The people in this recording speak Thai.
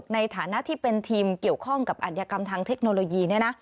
ในฐานะที่เป็นทีมเกี่ยวข้องกับอัธยกรรมทางเทคโนโลยี